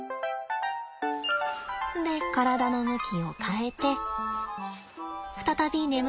で体の向きを変えて再び眠りにつきます。